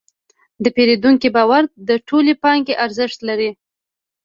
د پیرودونکي باور د ټولې پانګې ارزښت لري.